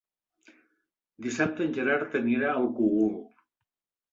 Dissabte en Gerard anirà al Cogul.